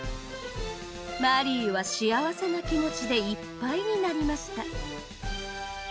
マリーは幸せな気持ちでいっぱいになりました